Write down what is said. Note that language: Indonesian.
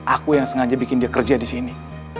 aku yang sengaja bikin dia kerja di sini